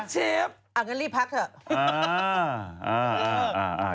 จากกระแสของละครกรุเปสันนิวาสนะฮะ